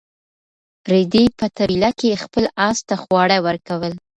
رېدي په طبیله کې خپل اس ته خواړه ورکول.